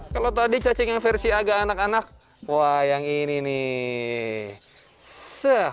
kalau tadi cacing yang versi agak anak anak wah yang ini nih